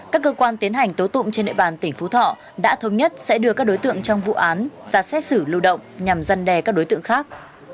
các cơ quan tiến hành tố tụm trên nội bàn tỉnh phú thọ đã thống nhất sẽ đưa các đối tượng trong vụ án ra xét xử lưu động nhằm dân đè các đối tượng khác